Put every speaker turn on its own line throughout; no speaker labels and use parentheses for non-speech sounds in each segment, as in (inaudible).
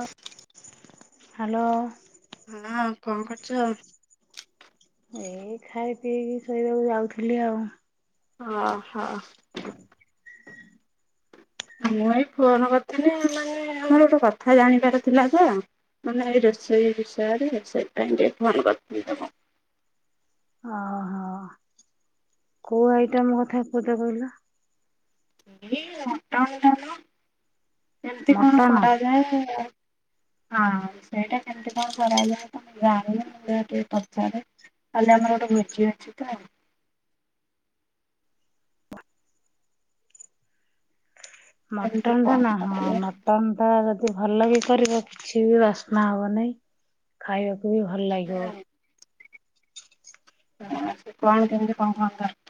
ଅତ
hello.
ହଁ କଣ କରୁଚ?
ଏଇ ଖାଇ ପିଇକି ଶୋଇବାକୁ ଯାଉଥିଲି ଆଉ
ଅ ହଃ। ମୁଁ ଏଇ ଫୋନ କରିଥିଲି ମାନେ ଆମର ଗୋଟେ କଥା ଜାଣିବାର ଥିଲା ତ? ମାନେ ଏଇ ରୋଷେଇ ବିଷୟରେ ସେଇଥିପାଇଁ ଟିକେ ଫୋନ କରିଥିଲି ତ ମୁଁ
ଅହଃ। କୋଉ ଆଇଟମ କଥା କହୁଛ କହିଲ?
ଏ ମଟନ ଟାମ କମିତି କଣ
ମଟନ?
କରାଯାଏ? ହଁ ସେଇଟା କେମତି କଣ କରାଯାଏ ତ ମୁଁ ଜାଣିନି ମୁଁ ସେଟା ଟିକେ ପଚାରେ? କାଲି ଆମର ଗୋଟେ ଭୋଜି ଅଛି ତ? କେମିତି
ମଟନ୍ ଟା ନା
କଣ
ହଁ
କରାଯାଏ?
ମଟନ। ମଟନ୍ ଟା ଯଦି ଭଲ କି କରିବ କିଛି ବି ବାସ୍ନା ହବନେଇଁ। ଖାଇବାକୁ ବି ଭଲ ଲାଗିବ।
ସେ କଣ କେମିତି କହୁ କହୁ (unintelligible)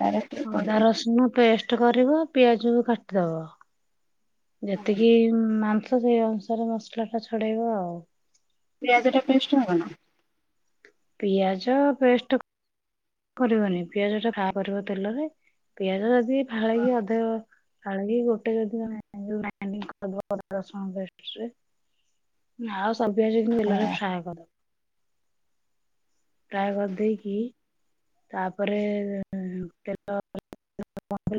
ଅଦା ରସୁଣ ପେଷ୍ଟ କରିବ ପିଆଜ କୁ କାଟିଦବ। ଯେତିକି ମାଂସ ସେଇ ଅନୁସାରେ ମସଲା ଟା ଛଡେଇବ ଆଉ
ପିଆଜଟା ପେଷ୍ଟ ହବ ନା?
ପିଆଜ ପେଷ୍ଟ କଣ? କରିବନି ପିଆଜଟା ଫ୍ରାଏ କରିବ ତେଲରେ ପିଆଜ ଯଦି ଫାଳେକି ଅଧେ ପେଷ୍ଟ ରେ ପକାଇବା। ଫାଳେ କି ଗୋଟେ ଯଦି ଗ୍ରାଣ୍ଡିଙ୍ଗ କରିବ ଅଦା, ରସୁଣ, ପେଷ୍ଟ ରେ। ଆଉ ସବୁ ଭାଜିକି ତେଲରେ
ହଁ
ଫ୍ରାଏ କରିଦବ। ଫ୍ରାଏ କରିଦେଇକି ତାପରେ ତେଲ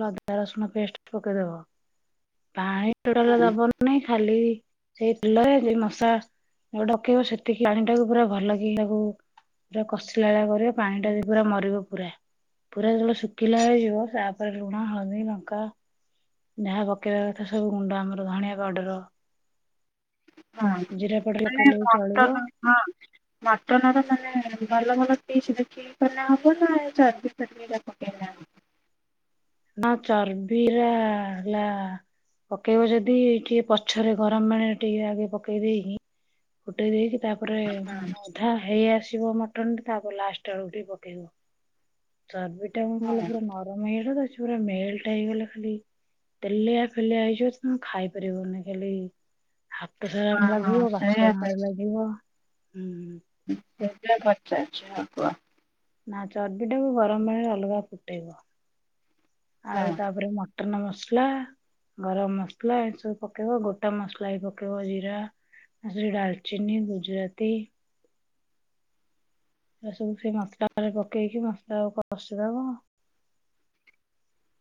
ଅଦା ରସୁଣ ପେଷ୍ଟ ପକେଇଦବ ପାଣି ଟୋଟାଲ ଦବନି। ନାଇଁ ଖାଲି ସେଇ ତେଲରେ ମଶା ଆ ଡକେଇବ ସେତିକି ପାଣିଟାକୁ ପୁରା ଭଲ କି ତାକୁ ପୁରା କଷିଲା କରିବା ପାଣି ଟା ଯେମିତି ପୁରା ମରିବ ପୁରା ପୁରା ଯେତେବେଳେ ଶୁଖିଲା ହେଇଯିବ ତାପରେ ଲୁଣ ହଳଦୀ ଲଙ୍କା ଯାହା ପକେଇବା କଥା ସବୁ ଗୁଣ୍ଡ ଆମର ଧଣିଆ ପାଡଡର
ହଁ ହଁ
ପାଉଡର
ମାନେ
ପକେଇଲେ ବି ଚଳିବ।
ମଟର କ ମଟନର ମାନେ ଭଲ ଭଲ ପିସ୍ ଦେଖି ମାନେ ହବ ନା ଚରବି ଫର୍ବି ପକେଇଲେ ହବ?
ନା ଚର୍ବିରା ହେଲା ପକେଇବ ଯଦି ଟିକେ ପଛରେ ଗରମ ପାଣିରେ ଟିକେ ଆଗେ ପକେଇ ଦେଇକି ଫୁଟେଇ ଦେଇକି ତାପରେ
ହଁ
ଅଧା ହେଇ ଆସିବ ମଟନ ଟ ତାପରେ ଲାଷ୍ଟ ବେଳକୁ ଟିକେ ପକେଇବ। ଚର୍ବି ଟା ମଙ୍ଗଲ
ହଁ।
ପୁରା ନରମ ହେଇଗଲାତ ହେ ଛୁ। ପୁରା ମେଲେ ଟା ହେଇଗଲା ଖାଲି ତେଲିଆ ଫେଲିଆ ହେଇଯିବ ତୁ ଖାଇପାରିବନି ଖାଲି। ହାତ ସାରା
ହଁ ହଁ
ଲାଗିବ
ସେଇଆ
ବାସନ ରେ ଲାଗିବ ହୁଁ।
କେତେ ଖର୍ଚ୍ଚ ଅଛି ହଁ କୁହ?
ନା ଚର୍ବି ଟାକୁୁ ଗରମ ପାଣିରେ ଅଲଗା ଫୁଟେଇବ ଆଉ
ହଁ।
ତାପରେ ମଟ ମଟନ ମସଲା ଗରମ ମସଲା ଏ ସବୁ ପକେଇବ ଗୋଟା ମସଲା ବି ପକେଇବ ଜିରା ସେଥିରେ ଡାଲଚିନି ଗୁଜୁରାତି ଏ ସବୁ ସେଇ ମସାଲରେ ପକେଇକି ମସଲା ଟା କଶିଦବ।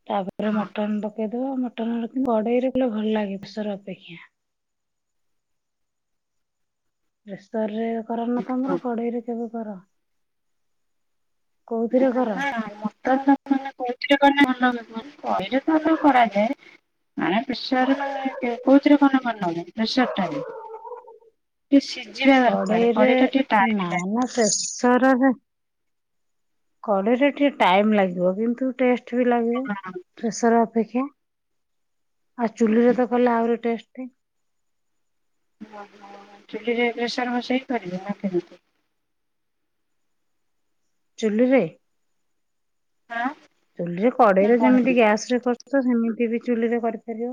ତାପରେ
ହଁ
ମଟନ ପକେଇଦବ ମଟନ ରଖ କଡେଇରେ ଭଲ ଲାଗେ ପ୍ରେସର ଅପେକ୍ଷା। ପ୍ରେସର ରେ କରନା ତମର
କୁହ।
କଡେଇରେ କେବେ କର। କୋଉଥିରେ କର?
ନା ମଟନ୍ ତାନେ କଉଥିରେ କଲେ ଭଲ ହୁଏ କହିଲେ ତ କରାଯାଏ। ମାନେ ପ୍ରେସର କଉଁଥିରେ କଣ କରିନେ ଭଲ ହୁଏ ପ୍ରେସର ଟା ରେ। ଟିକେ ସିଝିବା ଦରକାର କଡ଼େଇଟା ଟିକେ ଟାଇମ ଲାଗିବ।
ପ୍ରେସର ରେ। କରେଇ ରେ ଟିକେ ଟାଇମ ଲାଗିବ କିନ୍ତୁ ଟେଷ୍ଟ ବି ଲାଗିବ
ହଁ।
ପ୍ରେସର ଅପେକ୍ଷା। ଆଉ ଚୁଲିରେ ତ କଲେ ଆହୁରି ଟେଷ୍ଟ।
ଓ ହୋ ଚୁଲିରେ ପ୍ରେସର ବଦେଇକି କରିବେ ନା କେମତି?
ଚୁଲିରେ
ହାଁ
ଚୁଲିରେ କଡେଇରେ ଯେମିତି ଗ୍ୟାସ ରେ କରୁ ଚ ସେମିତି ବି ଚୁଲିରେ କରିପାରିବ।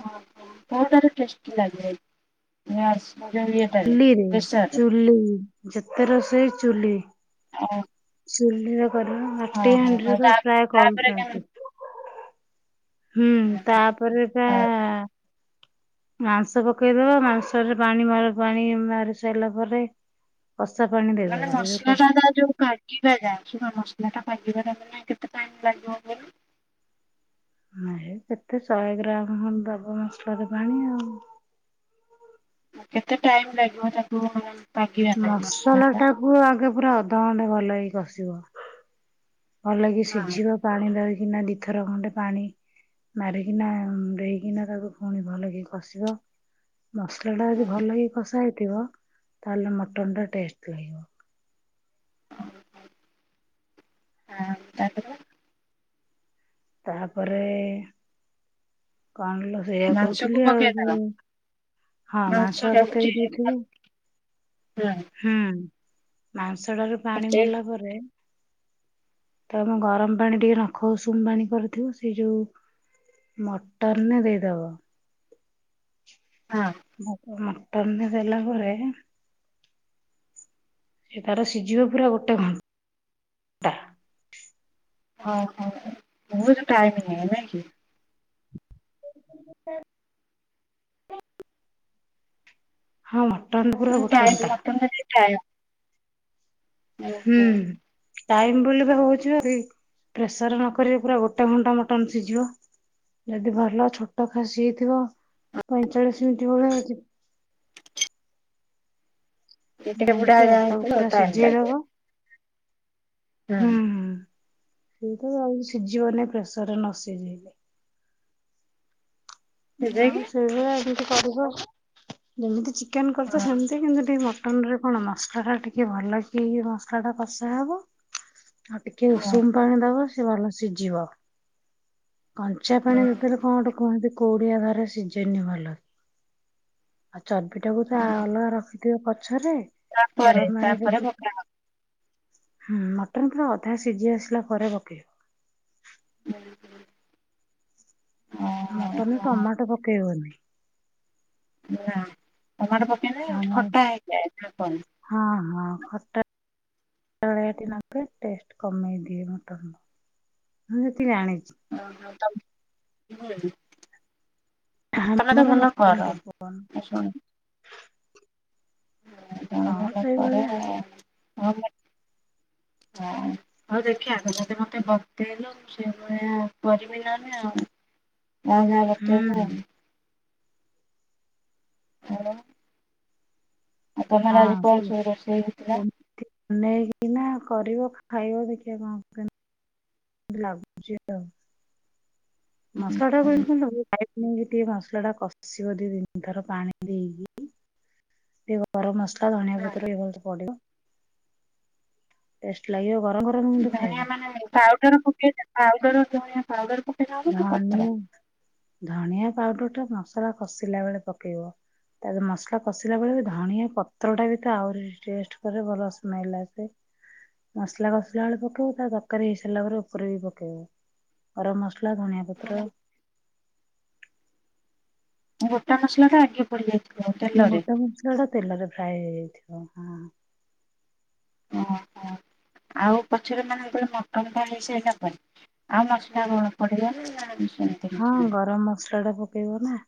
ଓ ହୋ କୋଉଟାରେ ଟେଷ୍ଟି ଲାଗେ? (unintelligible)
ଚୁଲିରେ
ପ୍ରେସରରେ?
ଚୁଲି ଯେତେ ରଷେଇ ଚୁଲି
ଅ
ଚୁଲିରେ କରୁନ ମାଟି
ଆଉ
ହାଣ୍ଡିରେ ତ
ତା
ପ୍ରାୟ
ତାପରେ
କରୁଚନ୍ତି। ହୁଁ
କେମିତି
ତାପରେପା।
ଆ,
ମାଂସ ପକେଇଦବ ମାଂସରେ ପାଣି ମ ପାଣି ମାହାରି ସାରିଲା ପରେ କଷା ପାଣି ଟି
ମାନେ ମସଲା ଟା ଯଉ କାଡ ସିଯିବା ଟା ଶୁଣ ମସଲା ଟା ପାଗିବାର ମାନ କେତେ ଟାଇମ ଲାଗିବ ବୋଲି।
ହ ହେ କେତେ ଶହେ ଗ୍ରାମ ହ ଦବ ମସଲାରେ ପାଣି ଆଉ।
କେତେ ଟାଇମ ଲାଗିବ ତାକୁ ପାଗିବା ପାଇଁ ମସଲା ଟା।
କୁ ଆଗେ ପୁରା ଅଧଘଣ୍ଟେ ଭଲକି କସିବ। ଭଲକି
ହଁ।
ସିଝିବ ପାଣି ଧରିକିନା ଦିଥର ଖଣ୍ଡେ ପାଣି ମାରିକିନା ଦେଇକିନା ତାକୁ ପୁଣି ଭଲ କି କସିବ। ମସଲା ଟା ଯଦି
ହୁଁ।
ଭଲକି କଷା ହେଇଥିବ ତାହେଲେ ମଟନ୍ ଟା ଟେଷ୍ଟ ଲାଗିବ।
ଓହ ଆଉ ତାପରେ।
ତାହା ପରେ କଣଲୋ? ସେଇୟଆ
ମାଂସକୁ
କହୁଥିଲି
ପକେଇଦବା
ଆଉ ହଁ ମାଂସ ପକେଇ ଦେଇଥିବୁ।
ହଁ।
ହୁଁ ମାଂସଟା ରୁ ପାଣି
ପକେଇ
ମରିଲା ପରେ ତମ ଗରମ ପାଣି ଟିକେ ନଖ ଉସୁୁମୁ ବାଣି କରିିଥିବ ସେ ଯୋଉ ମଟରନ ଦେଇଦବ
ହଁ
ମଟନରେ ଦେଲା ପରେ ସେ ତାର ସିଜିବ ପୁରା ଗୋଟେ ଘନ୍ ଟା
ହଁ ହଁ ହଁ ବୋହୁତ ଟାଇମ ନିଏ ନାକି?
ହଁ ମଟନ୍
ଉଁ ଟାଇମ ମଟନଟା ଟିକେ ଟାଇମ
ହୁଁ। ଟାଇମ ବୋଲି ପା ହୋଉଚି (unintelligible) ପ୍ରେସରେ ନକରିବେ ପୁରା ଗୋଟେ ଘଣ୍ଟା ମଟନ ସିଝିବ। ଯଦି ଭଲ ଛୋଟ ଖାସି ହେଇଥିବ ପଇଁଚାଳିଶ ମିନିଟ୍ ଭଳିଆ ଯି
ଯଦି ବି ବୁଢା
ଏମିତି
ହଡା
ଆଉ ତାକୁ
ହେଇଥିବ
ପୁରା
ଟାଇମ
ସିଝେଇଦବ
ଲାଗେ।
ହୁଁ ହୁଁ ସେଇ ତ ଆଉ ସିଝିବନି ପ୍ରେସରରେ ନ ସିଝେଇଲେ।
ସିଜେଇକି
ଆଉ ସେଇଭଳିଆ ଏମିତି କରିବ ଯେମିତି ଚିକେନ କରଚ
ହଁ
ସେମି ତି କିନ୍ତୁ ଟିକେ ମଟନରେ କଣ ମସଲାଟା ଟିକେ ଭଲ କି ମସଲାଟା କଷା ହବ ଆଉ ଟିକେ
ହଁ
ଉଷୁମ ପାଣି ଦବ ସେ ଭଲ ସିଝିବ। କଞ୍ଚା ପାଣି
ହଁ
ଦେଇଦେଲେ କଣ ଗୋଟେ କୁହନ୍ତି କୋଉଡିଆ ଧରେ ସିଝେନି ଭଲକି ଆଉ ଚର୍ବିଟାକୁ ତ ଆ
ହଁ।
ଅଲଗା ରଖି ଥିବ ପଛରେ
ତାପରେ
ଗରମ ପାଣିରେ
ତାପରେ
ଫୁ
ପକା
ହୁଁ ମଟନ ପୁରା ଅଧା ସିଝି ଆସିଲା ପରେ ପକେଇବେ।
(inaudible)
ଆଉ ମଟନରେ ଟମାଟୋ ପକେଇବନି।
ଟମାଟ ପକେଇନେ
ଆଉ
ଖଟା ହେଇଯାଏ ନା କଣ।
ହଁ ହଁ ଖଟା ଳିଆ ଟିକେ ଟେଷ୍ଟ କମେଇ ଦିଏ ମଟନର ମୁଁ ଯେତିକି ଜାଣିଚି।
ଓହୋ (unintelligible) ତମେ ତ
ଆମର
ଭଲ
ମଟନ
କର
ପକଉ
ମୁଁ ଶୁଣି ତମେ
ହଁ
ଭଲ କର
ସେଇଭଳିଆ।
ଆଉ। ହଁ ମୁଁ ହଁ। ହୋଉ ଦେଖିଆ ତମେ ତ ମତେ ବତେଇଲ ମୁଁ ସେଭଳିଆ କରିମି ନହନେ ଆଉ। ନାଇ ନାଇ ବତେଇ
ହୁଁ
(unintelligible) ହାଲୋ ଆଉ ତମର ଆଜି କଣ ସବୁ ରୋଷେଇ ହେଇଥିଲା।
ଟି ନେଇକିନା କରିବ ଖାଇବ ଦେଖିଆ କଣ କେନ୍ ତି ଲାଗୁଚି ଆଉ। ମସଲାଟା ବି (unintelligible) ନେଇକି ଟିକେ ମସଲାଟା କଷିବ ଦିଇ ତିନ ଥର ପାଣି ଦେଇକି (unintelligible) ଗରମ ମସଲା ଧଣିଆ
ହଁ।
ପତ୍ର ଇଏ (unintelligible) ପଡିବେ ଟେଷ୍ଟ ଲାଗିବ ଗରମ ଭା
ଧଣିଆ ମାନେ ପାଉଡର ପକେଇ ପାଉଡର ଧଣିଆ ପାଉଡର ପ
ଧଣିଆ ଧଣିଆ ପାଉଡରଟା ମସଲା କଷିଲା ବେଳେ ପକେଇବ। ମସଲା କଷିଲା ବେଳେ ବି ଧଣିଆ ପତ୍ରଟା ବି ତ ଆହୁରି ଟେଷ୍ଟ କରେ ଭଲ ସ୍ମେଲ ଆସେ। ମସଲା କସିଲା ବେଳେ ପକେଇବ ତା ତରକାରୀ ହେଇସାରିଲା ପରେ ଓପରେ ବି ପକେଇବ ଗରମ ମସ ସଲା, ଧଣିଆ
ମାନେ
ପତ୍ର
ଗୋଟା ମସଲାଟା ଆଗେ ପଡିଯାଏ।
ମୋଟା ମସଲାଟା ତେଲରେ ଫ୍ରାଏ ହେଇଯାଇଥିବ ହଁ।
ଓହୋ ଆଉ ପଛରେ ମାନେ ଯେତଳେ ମଟନଟା ହେଇ ସରିଲା ପରେ ଆଉ ମସଲା କଣ ପଡ଼ିବନ ନା (unintelligible)
ହଁ ଗରମ ମସଲାଟା ପକେଇବ ନା।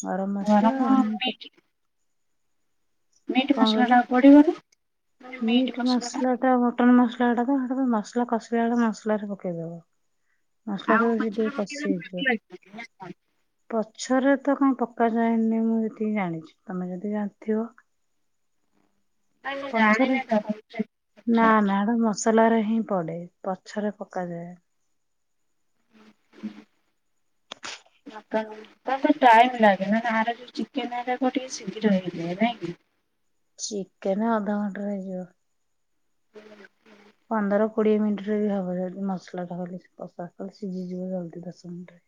ଗରମ ମସଲା
ଗରମ
ଧନିଆ ପତ୍
ମିଟ୍ ମିଟ୍ ମସଲାଟା ଆଉ ପଡ଼ିବନି।
ମିଟ ମସଲା ଟା ମଟନ ମସଲା କଁ ତମେ ମସଲା କସିଲା ବେଳେ ମସଲା ରେ ପକେଇଦବ। ଆସଲା
ଆଉ
ଯୋଉ
ପଛରେ
ସେଇଥିରେ
ପକେଇଲେ
କସିି
ଭଲ
ହେଇଯିବ।
(unintelligible)
ପଛରେ ତ କଁ ପକା ଯାଏନି ମୁଁ ଜେତିିକି ଜାଣିଛି ତମେ ଯଦି ଜାଣିଥିବ।
ନାଇଁ ମୁଁ
ପଛରେ
ଜାଣିନି ତ ଭଲସେ। ଆଚ୍ଛା
ନା ନା ହେଟା ମ ମସଲାରେ ହିଁ ପଡ଼େ ପଛରେ ପକାଯାଏନି।
(unintelligible) ଆଚ୍ଛା। ମଟନ ତାକୁ ଟୀକେ ଟାଇମ ଲାଗେ ମାନେ ଏରା ଯୋଉ ଚିକେନ ହେରାକ ଟିକେ ଶୀଘ୍ର ହେଇଯାଏ ନାଇଁକି।
ଚିକେନ ଅଧ ଘଣ୍ଟାରେ ହେଇଯିବ।
(unintelligible)
ପନ୍ଦର କୋଡିଏ ମିନିଟରେ ବି ହବ ଜଦି ମସଲା ଟା ଖାଲି ସି କସା ଖାଲି ସିଝିଯିବ ଜଲଦି ଦଶ ମିନିଟରେ।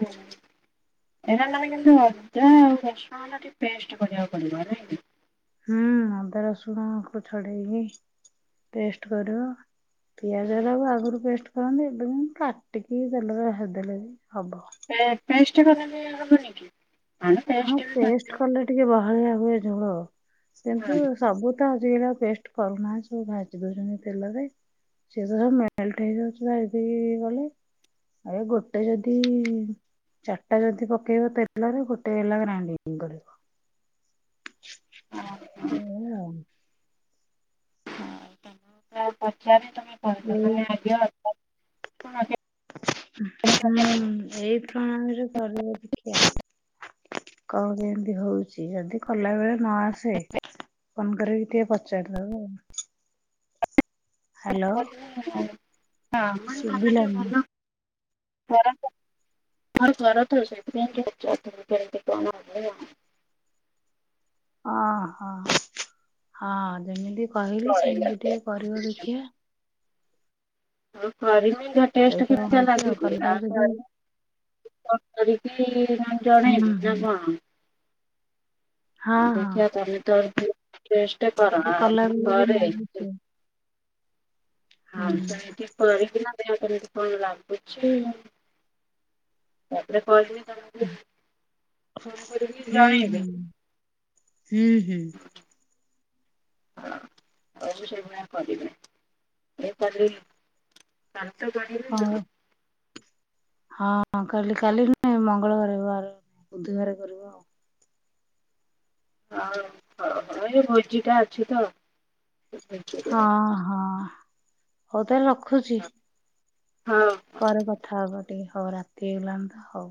ଓ ହୋ ଏଇଟା ମାନେ କିନ୍ତୁ ଅଦା ଆଉ ରସୁଣଟା ଟିକେ ପେଷ୍ଟ କରିବାକୁ ପଡିବ ନାଇଁକି।
ହୁଁ ଅଦା ରସୁଣକୁ ଛଡ଼େଇକି ପେଷ୍ଟ କରିବ। ପିଆଜଟାକୁ ଆଗରୁ ପେଷ୍ଟ କରନ୍ତି ଏବେ ବି କାଟିକି ତେଲରେ ଭାଜି ଦେଲେ ବି ହବ।
ପେ ପେଷ୍ଟ କଲେ ବି ହବନି କି। ଆମେ
ହଁ
ପେଷ୍ଟ ବି କରିଦଉ
ପେଷ୍ଟ କଲେ ଟିକେ ବହଳିଆ ହୁଏ ଝୋଳ
ହଁ
କିନ୍ତୁ ସବୁ। ତ ଆଜି କାଲି ଆଉ ପେଷ୍ଟ କରୁନାହାଁନ୍ତି ସବୁ ଭାଜି ଦଉଛନ୍ତି ତେଲରେ। ସିଏ ତ ସବୁ ମେଲଟ ହେଇଯାଉଛି ଭାଜି ଦେଇ କଲେ। ଏ ଗୋଟେ ଯଦି ଚାରିଟା ଯଦି ପକେଇବ ତେଲରେ ଗୋଟେ ହେଲା ଗ୍ରାଇଣ୍ଡ। କରିବ।
ହଁ ହଁ।
(unintelligible)
(unintelligible)
ହୁଁ।
ଆଗେ ଅଦା କେମିତି
ହଁ ମାଡାମ ଏଇ ପ୍ରଣାଳୀରେ କରିବ ଦେଖିବା। କଣ କେମିତି ହଉଛି ଯଦି। କଲା ବେଳେ ନ ଆସେ ଫୋନ କରିକି ଟିକେ ପଚାରିଦବ ଆଉ। ହାଲୋ। ଶୁଭିଲାନି
(unintelligible) ଘରେ କରେତ ସେଇଥି ପାଇଁ ପଚାରୁ ଥିଲି କେମିତି କଣ ହବ।
ଅ ହଁ ହଁ ଯେମିତି କହିଲି
ଚଳିଲା
ସେମିତି
ସେ
ଟିକେ କରିବ ଦେଖିକି।
ହଁ କରିମି ତଟେଷ୍ଟ
ଦେଖିବା କଣ
କେମିତିଆ
ହଉଛି
ଲାଗୁଛି‌
କଲା
ଆଉ।
ବେଳେ ଯଦି
ତ କରିକି ତମକୁ
ହୁଁ ହୁଁ
ଜଣେଇବି ନା କଣ।
ହଁ
ଦେଖିିବା ତମେ ଥରେ ଟେଷ୍ଟ କର
ହଁ
ନହେଲେ ମୁ
କଲାବେଳେ ବି
କରେ।
ହୁଁ
(unintelligible)
ହୁଁ
ତାପରେ ଫୋନରେ ତମକୁ ଫୋନ୍ କରି କି
ହୁଁ
ଜଣେଇବି।
ହୁଁ ହୁଁ।
ହଁ ହ ଉ ମୁଁ ସେଇ ଭଳିଆ କରିବି ମୁଁ କଲି। କାଲି ତା କରିବି ଆଉ।
କଣ ହଁ କାଲି କାଲି ନୁହେଁ ମଙ୍ଗଳ ବାରେ ବାରେ ବୁଧବାର କରିବ ଆଉ।
ହଉ ହ ହ ଏ ଭୋଜି ଟା ଅଛି ତ।
ହଁ
ଭୋଜିରେ
ହଁ ହଉ ତାହେଲେ ରଖୁଛି।
ହଁ।
ପରେ କଥା ହବା ଟିକେ ହଉ ରାତି ହେଇଗଲାଣି ତ ହଉ।